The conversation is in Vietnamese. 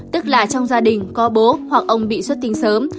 tức là trong gia đình có bố hoặc ông bị xuất tinh sớm